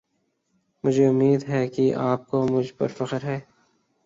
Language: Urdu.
مجھے اُمّید ہے کی اپ کو مجھ پر فخر ہے۔